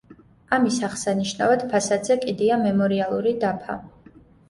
ამის აღსანიშნავად ფასადზე კიდია მემორიალური დაფა.